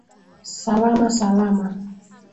Salama Salama